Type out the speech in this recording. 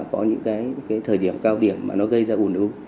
có những cái thời điểm cao điểm mà nó gây ra ủn ứ